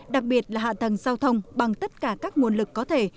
đặc biệt là hạ tầng giao thông bằng tất cả các nguồn lực có thể